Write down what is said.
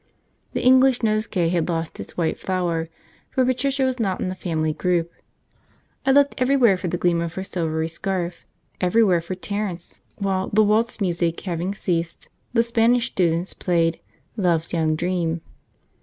The English nosegay had lost its white flower, for Patricia was not in the family group. I looked everywhere for the gleam of her silvery scarf, everywhere for Terence, while, the waltz music having ceased, the Spanish students played 'Love's Young Dream.'